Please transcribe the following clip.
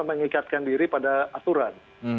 mengikatkan diri pada aturan